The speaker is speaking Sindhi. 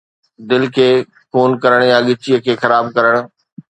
دل کي خون ڪرڻ يا ڳچيء کي خراب ڪرڻ